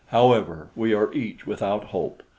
However, we are each without hope.